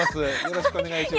よろしくお願いします。